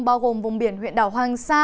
bao gồm vùng biển huyện đảo hoàng sa